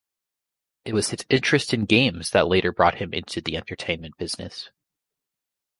It was his interest in games that later brought him into the entertainment business.